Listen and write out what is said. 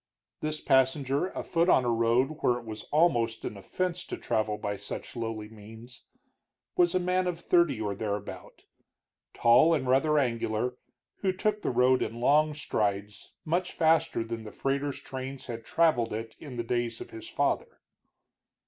This passenger, afoot on a road where it was almost an offense to travel by such lowly means, was a man of thirty or thereabout, tall and rather angular, who took the road in long strides much faster than the freighters' trains had traveled it in the days of his father.